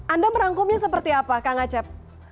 anda merangkumnya seperti apa kak ngacep